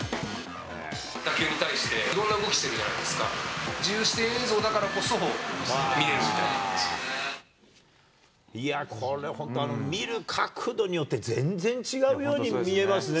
打球に対していろいろな動きしてるじゃないですか、自由視点いや、これ、本当見る角度によって、全然違うように見えますね。